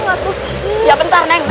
kita tetap kerja teman